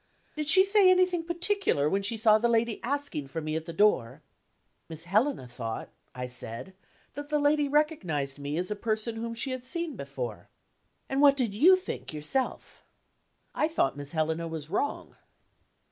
"Did she say anything particular, when she saw the lady asking for me at the door?" "Miss Helena thought," I said, "that the lady recognized me as a person whom she had seen before." "And what did you think yourself?" "I thought Miss Helena was wrong."